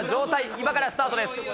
今からスタートです。